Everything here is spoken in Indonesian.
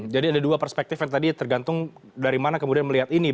jadi ada dua perspektif yang tadi tergantung dari mana kemudian melihat ini